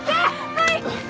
はい！